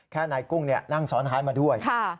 แค่นายกุ้งนั่งสอนห้านมาด้วย